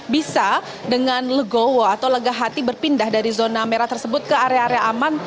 bisa dengan legowo atau lega hati berpindah dari zona merah tersebut ke area area aman